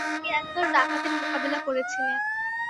তিনি একদল ডাকাত এর মোকাবেলা করেছিলেন।